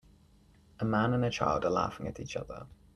A man and a child are laughing at each other.